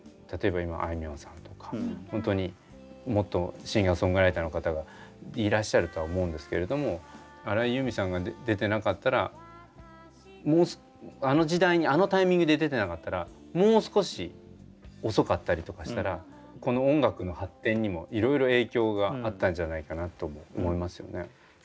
例えば今あいみょんさんとかホントにもっとシンガーソングライターの方がいらっしゃるとは思うんですけれども荒井由実さんが出てなかったらあの時代にあのタイミングで出てなかったらもう少し遅かったりとかしたらこの音楽の発展にもいろいろ影響があったんじゃないかなとも思いますよね。